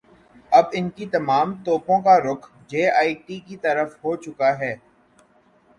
اب ان کی تمام توپوں کا رخ جے آئی ٹی کی طرف ہوچکا ہے۔